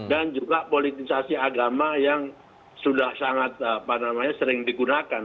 dan juga politisasi agama yang sudah sangat apa namanya sering digunakan